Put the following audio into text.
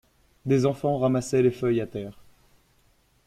Des enfants ramassaient les feuilles à terre.